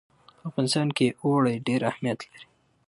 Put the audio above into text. په افغانستان کې اوړي ډېر اهمیت لري.